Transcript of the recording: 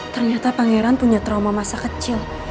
ternyata bang erang punya trauma masa kecil